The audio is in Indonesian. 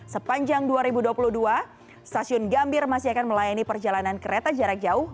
sepanjang dua ribu dua puluh dua stasiun gambir masih akan melayani perjalanan kereta jarak jauh